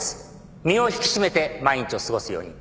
身を引き締めて毎日を過ごすように。